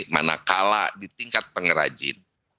manakala di tingkat pengrajin